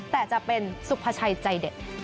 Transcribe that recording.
แต่จะเป็นสุภาชัยใจเด็ด